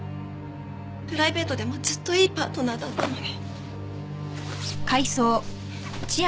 プライベートでもずっといいパートナーだったのに。